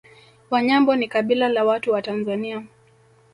Wanyambo ni kabila la watu wa Tanzania